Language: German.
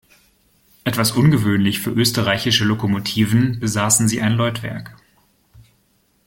Etwas ungewöhnlich für österreichische Lokomotiven besaßen sie ein Läutwerk.